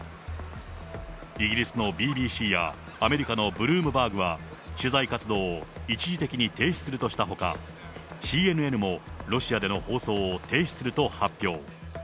イギリスのＢＢＣや、アメリカのブルームバーグは、取材活動を一時的に停止するとしたほか、ＣＮＮもロシアでの放送を停止すると発表。